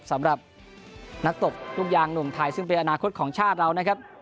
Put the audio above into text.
สำหรับนักตบลูกยางหนุ่มไทยซึ่งเป็นอนาคตของชาติเรานะครับ